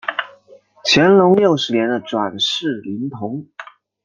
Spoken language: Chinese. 乾隆六十年的转世灵童。